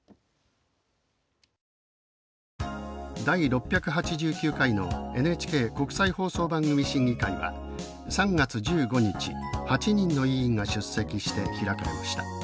第６８９回のＮＨＫ国際放送番組審議会は３月１５日８人の委員が出席して開かれました。